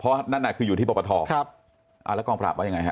เพราะนั้นมาขอยูที่ประทองครับแล้วกองปราบว่ายังไง